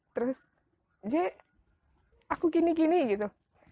terus j aku gini gini gitu